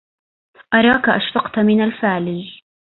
أراك أشفقت من الفالج